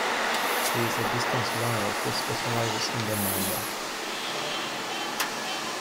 He is a distance runner who specializes in the Mile.